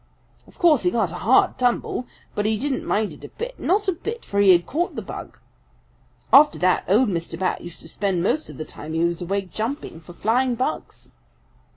Of course he got a hard tumble, but he didn't mind it a bit, not a bit, for he had caught the bug. After that, old Mr. Bat used to spend most of the time he was awake jumping for flying bugs.